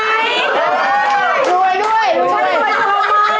อะไรมั้ยครับ